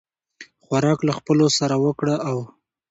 خوراک له خپلو سره وکړه او